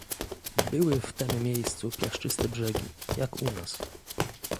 "Były w tem miejscu piaszczyste brzegi, jak u nas."